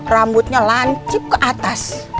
rambutnya lancip ke atas